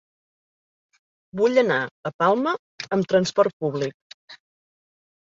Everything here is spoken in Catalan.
Vull anar a Palma amb transport públic.